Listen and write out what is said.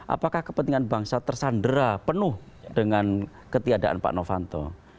apakah kepentingan bangsa tersandera penuh dengan ketiadaan pak novanto